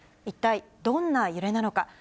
一体どんな揺れなのか。